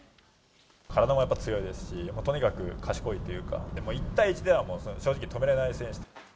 体もやっぱ強いですし、とにかく賢いというか、１対１では正直止められない選手。